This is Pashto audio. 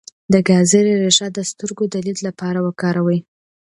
د ګازرې ریښه د سترګو د لید لپاره وکاروئ